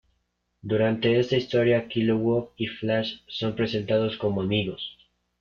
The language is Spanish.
Durante esta historia, Kilowog y Flash son presentados como amigos.